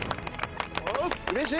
よし！